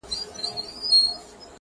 په جهان جهان غمو یې ګرفتار کړم؛